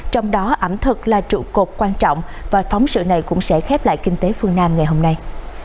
trong đó ẩm thực là trụ cột quan trọng và phóng sự này cũng sẽ khép lại kinh tế phương nam ngày hôm nay